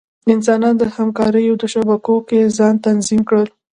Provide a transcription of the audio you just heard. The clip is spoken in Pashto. انسانان د همکاریو په شبکو کې ځان تنظیم کړل.